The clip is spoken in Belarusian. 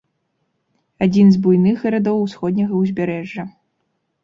Адзін з буйных гарадоў ўсходняга ўзбярэжжа.